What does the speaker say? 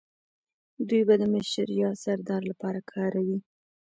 دوی به د مشر یا سردار لپاره کاروی